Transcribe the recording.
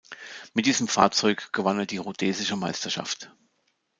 Mit diesem Fahrzeug gewann er die rhodesische Meisterschaft.